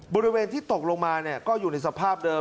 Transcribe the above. บริเวณที่ตกลงมาก็อยู่ในสภาพเดิม